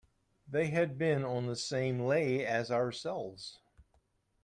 They had been on the same lay as ourselves.